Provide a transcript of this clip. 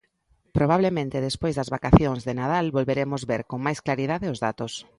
Probablemente despois das vacacións de Nadal volveremos ver con máis claridade os datos.